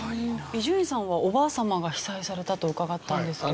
伊集院さんはおばあ様が被災されたと伺ったんですけど。